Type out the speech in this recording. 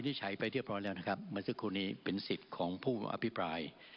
ฉัยไปเรียบร้อยแล้วนะครับเมื่อสักครู่นี้เป็นสิทธิ์ของผู้อภิปราย